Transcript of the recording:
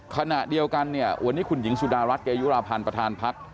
ขณะเดียวกันเนี่ยวันนี้คุณหญิงสุดารัฐเกยุราพันธ์ประธานพัก